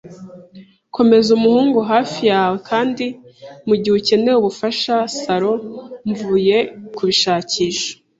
komeza umuhungu hafi yawe, kandi mugihe ukeneye ubufasha, salo. Mvuye kubishakisha